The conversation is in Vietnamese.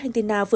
nhưng tất cả này